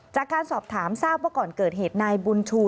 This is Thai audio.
จากการสอบถามทราบว่าก่อนเกิดเหตุนายบุญชู